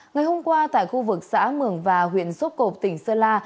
ngày hôm qua tại khu vực xã mường và huyện sốp cộp tỉnh sơn la